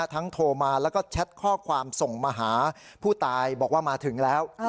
โทรมาแล้วก็แชทข้อความส่งมาหาผู้ตายบอกว่ามาถึงแล้ว